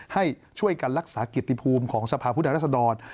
ให้ช่วยกันรักษากิจภูมิของสภาพผู้แทนรัศดร